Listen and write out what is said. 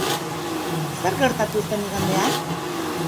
Zer gertatu zen igandean?